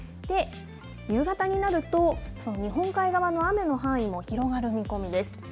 夕方になると、その日本海側の雨の範囲も広がる見込みです。